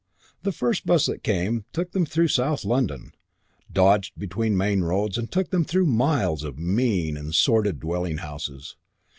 The first bus that came took them through South London, dodged between main roads and took them through miles of mean and sordid dwelling houses.